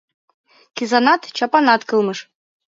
Кизанат, чапанат кылмыш.